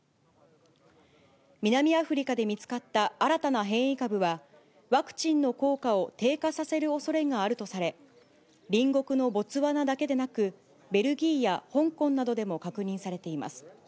南アフリカで見つかった新たな変異株は、ワクチンの効果を低下させるおそれがあるとされ、隣国のボツワナだけでなく、ベルギーや香港などでも確認されています。